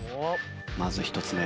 まず１つ目。